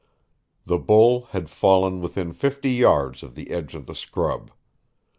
The bull had fallen within fifty yards of the edge of the scrub.